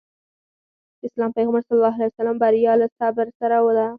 د اسلام پيغمبر ص وفرمايل بريا له صبر سره ده.